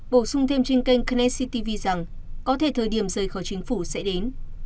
bổ sung thêm trên kênh knesset tv rằng có thể thời điểm rời khỏi chính phủ sẽ đến